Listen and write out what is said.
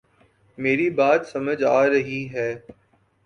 میری بات سمجھ آ رہی ہے